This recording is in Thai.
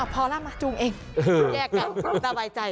พอแล้วมาจูงเองแยกกันสบายใจ